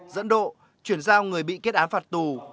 dẫn độ chuyển giao người bị kết án phạt tù